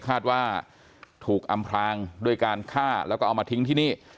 คาดว่าถูกอำพรางด้วยการฆ่าแล้วก็เอามาทิ้งที่นี่